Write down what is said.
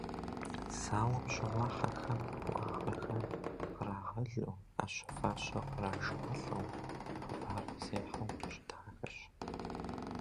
Зауэм щыгъуэ хьэхэм уӏэгъэхэр кърагъэлу, ӏэщэ-фащэ кърашалӏэу, хъыбар зехьэу щытахэщ.